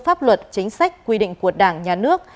pháp luật chính sách quy định của đảng nhà nước